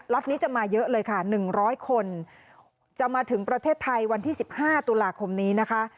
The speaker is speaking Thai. นี้จะมาเยอะเลยค่ะ๑๐๐คนจะมาถึงประเทศไทยวันที่๑๕ตุลาคมนี้นะคะ